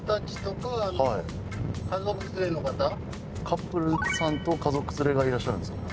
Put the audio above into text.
カップルさんと家族連れがいらっしゃるんですか？